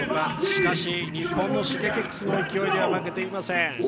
しかし日本のＳｈｉｇｅｋｉｘも勢いでは負けていません。